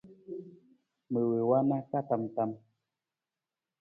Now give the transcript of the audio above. Ma wii waana ka tam tam.